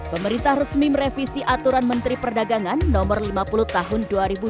pemerintah resmi merevisi aturan menteri perdagangan no lima puluh tahun dua ribu dua puluh